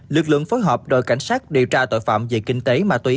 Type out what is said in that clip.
lực lượng phối hợp đội cảnh sát điều tra tội phạm về kinh tế ma túy